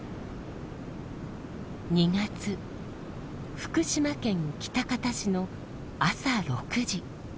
福島県喜多方市の朝６時。